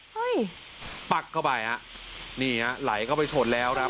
เฮ้ยปักเข้าไปฮะนี่ฮะไหลเข้าไปชนแล้วครับ